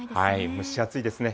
蒸し暑いですね。